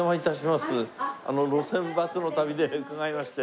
『路線バスの旅』で伺いまして。